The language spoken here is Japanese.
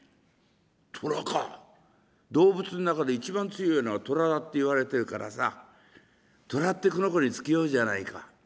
「動物ん中で一番強いのは虎だって言われてるからさ虎ってこの子に付けようじゃないか」。